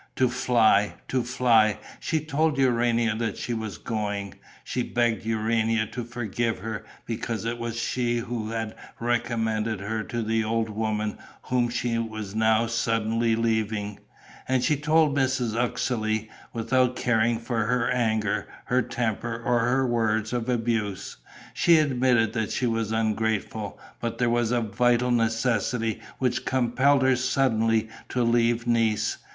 To fly, to fly! She told Urania that she was going. She begged Urania to forgive her, because it was she who had recommended her to the old woman whom she was now suddenly leaving. And she told Mrs. Uxeley, without caring for her anger, her temper or her words of abuse. She admitted that she was ungrateful. But there was a vital necessity which compelled her suddenly to leave Nice.